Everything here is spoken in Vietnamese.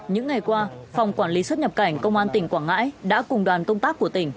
những ngày qua phòng quản lý xuất nhập cảnh công an tỉnh quảng ngãi đã cùng đoàn công tác của tỉnh